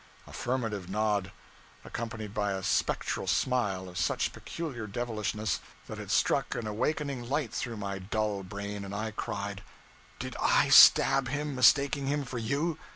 Affirmative nod, accompanied by a spectral smile of such peculiar devilishness, that it struck an awakening light through my dull brain, and I cried 'Did I stab him, mistaking him for you?